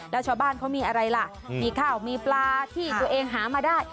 แล้วชาวบ้านเขามีอะไรล่ะมีข้าวมีปลาที่ตัวเองหามาได้